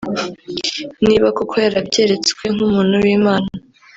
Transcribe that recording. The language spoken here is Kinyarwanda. Niba koko yarabyeretswe nk’umuntu w’Imana